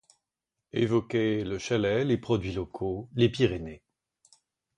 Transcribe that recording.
Évoquer le chalet, les produits locaux, les Pyrénées.